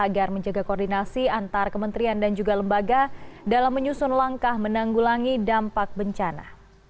agar menjaga koordinasi antar kementerian dan juga lembaga dalam menyusun langkah menanggulangi dampak bencana